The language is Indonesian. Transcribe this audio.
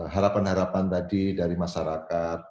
harapan harapan tadi dari masyarakat